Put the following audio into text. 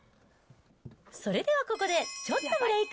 それではここで、ちょっとブレーク。